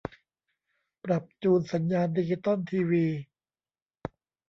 ปรับจูนสัญญาณดิจิตอลทีวี